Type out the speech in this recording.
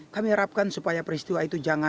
kami harapkan supaya peristiwa yang terjadi di unduga